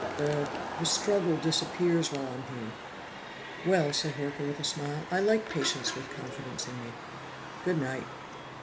The the struggle disappears while I'm here." "Well," said Horker with a smile, "I like patients with confidence in me. Good night."